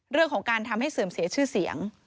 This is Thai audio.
เรื่องของการทำให้เสื่อมเสียชื่อเสียง